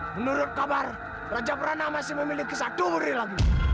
menurut kabar raja prana masih memiliki satu murid lagi